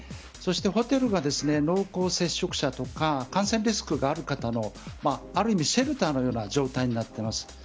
そして、ホテルが濃厚接触者とか感染リスクがある方のある意味シェルターのような状態になっています。